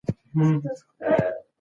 که علم وي نو مال نه وي.